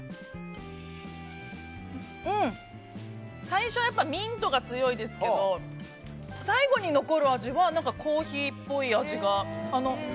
最初はミントが強いですけど最後に残る味はコーヒーっぽい味が。